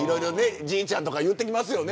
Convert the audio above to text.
じいちゃんとか言ってきますよね。